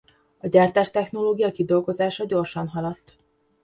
A gyártástechnológia kidolgozása gyorsan haladt.